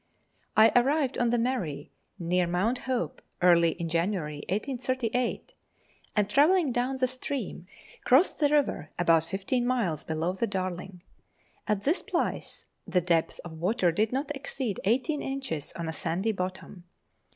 I arrived on the Murray, near Mount Hope, early in January 1838, and, travelling down the stream, crossed the river about fifteen miles below the Darling. At this place the depth of water did not exceed eighteen inches on a sandy bottom.